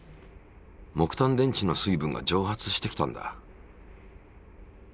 木炭電池の水分が蒸発してきたんだ。